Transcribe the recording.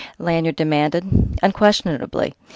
Lanyard demanded. "Unquestionably!